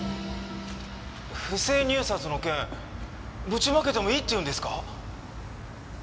不正入札の件ぶちまけてもいいって言うんですか？